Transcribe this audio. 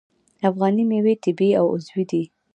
افغاني میوې طبیعي او عضوي دي.